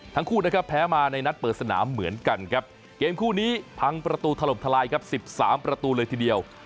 ทั้งคู่นะครับแพ้มาในนัดเปิดสนามเหมือนกันครับเกมคู่นี้พังประตูถล่มทลายครับ๑๓ประตูเลยทีเดียว